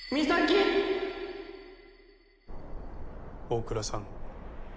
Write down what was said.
大倉さん。